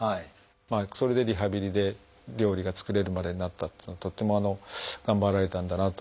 それでリハビリで料理が作れるまでになったというのはとっても頑張られたんだなと思います。